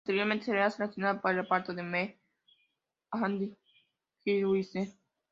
Posteriormente sería seleccionada para el reparto de "Me and My Girl" del West End.